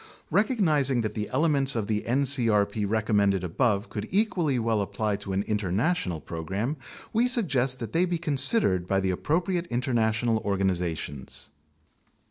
Recognizing that the elements of the ncrp recommended above could equally well apply to an international program, we suggest that they be considered by the appropriate international organizations.